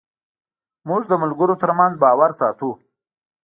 موږ د ملګرو تر منځ باور ساتو.